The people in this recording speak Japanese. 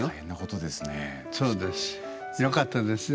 よかったですね。